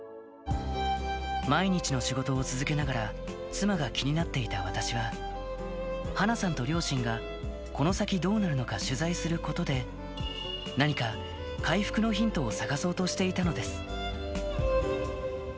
毎日の仕事を続けながら、妻が気になっていた私は、華さんと両親が、この先どうなるのか取材することで、何か回復のヒントを探そうとしていたのです。